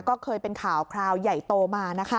ก็เคยเป็นข่าวคราวใหญ่โตมานะคะ